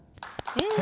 うん。